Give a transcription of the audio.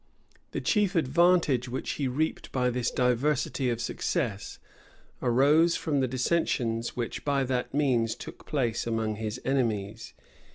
The chief advantage which he reaped by this diversity of success, arose from the dissensions which by that means took place among his enemies.